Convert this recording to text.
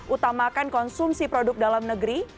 utamakan konsumsi produk dalam negeri